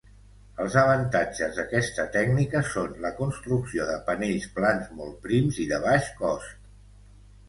Els avantatges d'aquesta tècnica són la construcció de panells plans molt prims i de baix cost.